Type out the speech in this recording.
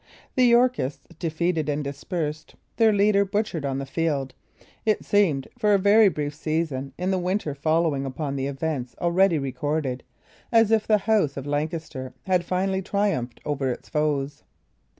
The Yorkists defeated and dispersed, their leader butchered on the field, it seemed, for a very brief season in the winter following upon the events already recorded, as if the House of Lancaster had finally triumphed over its foes.